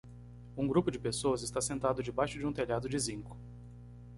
Um grupo de pessoas está sentado debaixo de um telhado de zinco.